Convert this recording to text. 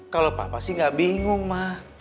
kalau papa sih gak bingung ma